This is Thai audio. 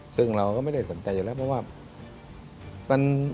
ซึ่งเราก็ไม่ได้สนใจอยู่แล้วเพราะว่า